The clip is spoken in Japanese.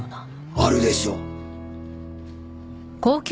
あるでしょ。